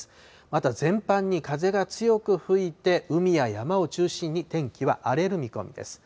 また全般に風が強く吹いて、海や山を中心に天気は荒れる見込みです。